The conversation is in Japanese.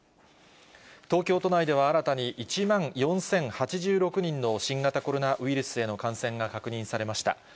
東京都内では新たに１万４０８６人の新型コロナウイルスへの感染が確認されました。